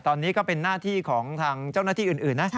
ตอนนี้ก็เป็นหน้าที่ของทางเจ้าหน้าที่อื่นนะ